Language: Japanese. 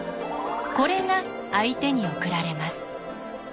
これが相手に送られます。